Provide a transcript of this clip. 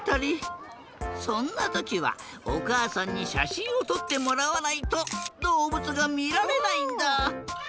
そんなときはおかあさんにしゃしんをとってもらわないとどうぶつがみられないんだ。